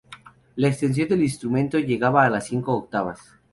La extensión del instrumento llegaba a las cinco octavas.